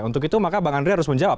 untuk itu maka bang andre harus menjawab